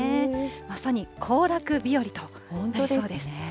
まさに行楽日和となりそうです。